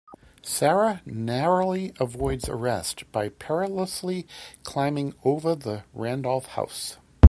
Sara narrowly avoids arrest by perilously climbing over to the Randolph house.